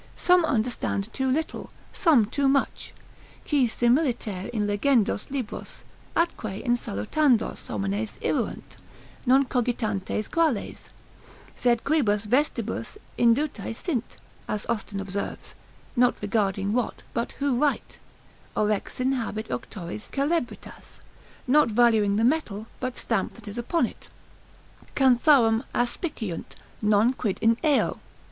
Some understand too little, some too much, qui similiter in legendos libros, atque in salutandos homines irruunt, non cogitantes quales, sed quibus vestibus induti sint, as Austin observes, not regarding what, but who write, orexin habet auctores celebritas, not valuing the metal, but stamp that is upon it, Cantharum aspiciunt, non quid in eo.